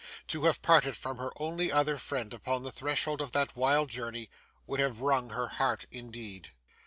To have parted from her only other friend upon the threshold of that wild journey, would have wrung her heart indeed.